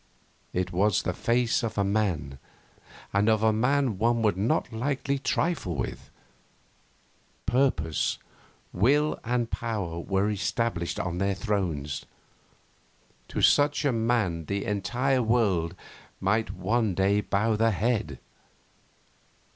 It was the face of a man, and of a man one would not lightly trifle with. Purpose, will, and power were established on their thrones. To such a man the entire world might one day bow the head.